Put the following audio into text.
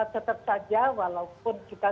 tetap saja walaupun kita